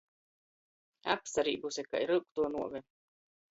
Apsarībuse kai ryugtuo nuove!